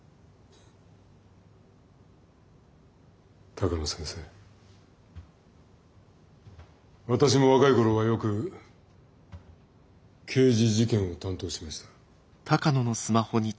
鷹野先生私も若い頃はよく刑事事件を担当しました。